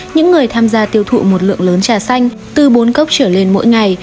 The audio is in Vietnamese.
những người tham gia tiêu thụ một lượng lớn trà xanh từ bốn cốc trở lên mỗi ngày